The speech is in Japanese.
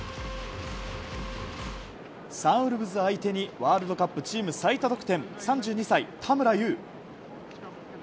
サンウルブズ相手にワールドカップチーム最多得点